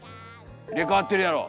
「入れ代わってるやろ！」。